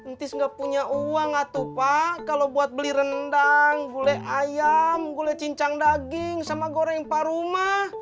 ntis gak punya uang atu pak kalau buat beli rendang gulai ayam gulai cincang daging sama goreng paru mah